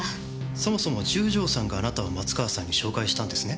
そもそも十条さんがあなたを松川さんに紹介したんですね？